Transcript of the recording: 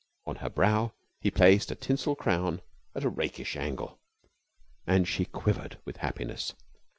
On her brow he placed a tinsel crown at a rakish angle. And she quivered with happiness.